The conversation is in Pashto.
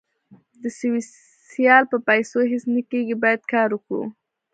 د سوسیال په پېسو هیڅ نه کېږي باید کار وکړو